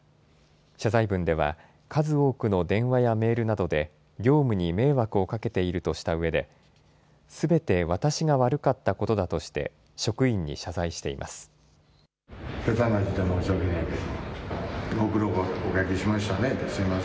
謝罪文では、数多くの電話やメールなどで、業務に迷惑をかけているとしたうえで、すべて私が悪かったことだとして、職員に謝罪しています。